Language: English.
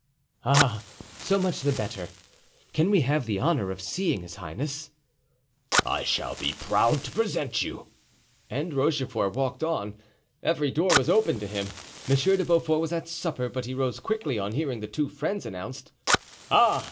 "Ah! so much the better! Can we have the honor of seeing his highness?" "I shall be proud to present you," and Rochefort walked on. Every door was opened to him. Monsieur de Beaufort was at supper, but he rose quickly on hearing the two friends announced. "Ah!"